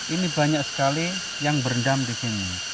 ini banyak sekali yang berendam disini